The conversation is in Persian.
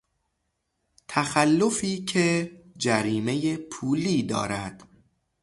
تخلفی که جریمهی پولی دارد